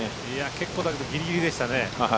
結構、だけどぎりぎりでしたね。